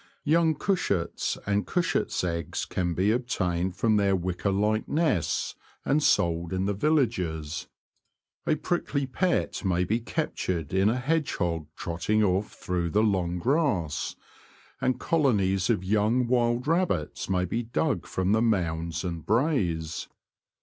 Young cushats and cushats' eggs can be obtained from their wicker like nests, and sold in the villages. A prickly pet may be captured in a hedgehog trotting off through the long grass, and colo nies of young wild rabbits may be dug from the mounds and braes.